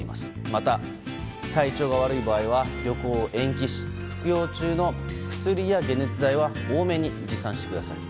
また体調が悪い場合は旅行を延期し、服用中の薬や解熱剤は多めに持参してください。